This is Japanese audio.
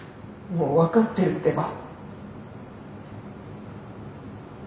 もう分かってるってば。